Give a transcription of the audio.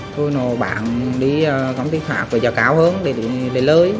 thôi nó bán đi công ty khác về giá cao hơn để lấy lời